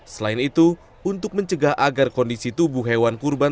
selain itu untuk mencegah agar kondisi tubuh hewan kurban